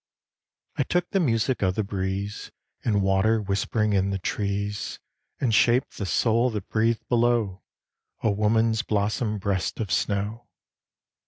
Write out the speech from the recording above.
I took the music of the breeze, And water whispering in the trees, And shaped the soul that breathed below A woman's blossom breasts of snow.